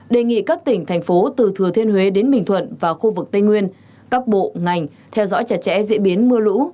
đề nghị các tỉnh thành phố từ thừa thiên huế đến bình thuận và khu vực tây nguyên các bộ ngành theo dõi chặt chẽ diễn biến mưa lũ